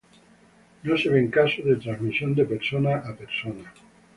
No se ven casos de transmisión de persona a persona.